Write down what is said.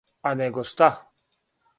А него шта?